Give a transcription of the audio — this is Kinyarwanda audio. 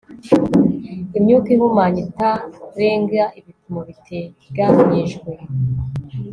imyuka ihumanya itarenga ibipimo biteganyijwe